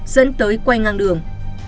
dẫn tới quay ngang đường